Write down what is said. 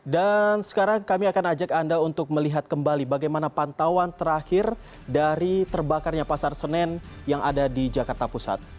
dan sekarang kami akan ajak anda untuk melihat kembali bagaimana pantauan terakhir dari terbakarnya pasar senen yang ada di jakarta pusat